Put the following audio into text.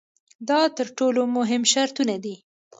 دا تر ټولو مهم شرطونه دي.